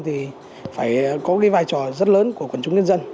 thì phải có cái vai trò rất lớn của quần chúng nhân dân